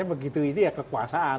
begitu ini ya kekuasaan